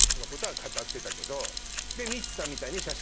ミッツさんみたいに。